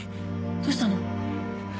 どうしたの？